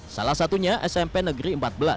salah satunya smp negeri empat belas